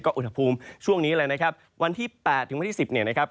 ก็อุทธภูมิช่วงนี้เลยนะครับวันที่๘๑๐เนี่ยนะครับ